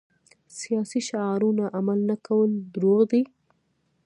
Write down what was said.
سیاسي شعارونه عمل نه کول دروغ دي.